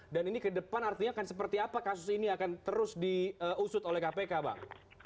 dan ini kedepan artinya akan seperti apa kasus ini akan terus diusut oleh kpk bang